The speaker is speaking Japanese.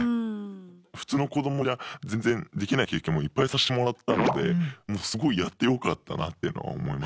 普通の子どもじゃ全然できない経験もいっぱいさしてもらったのですごいやってよかったなというのは思いますね。